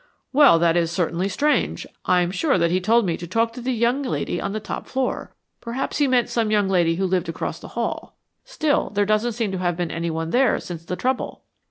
"Well, that is certainly strange. I'm sure that he told me to talk to the young lady on the top floor. Perhaps he meant some young lady who lived across the hall. Still, there doesn't seem to have been anyone there since the trouble."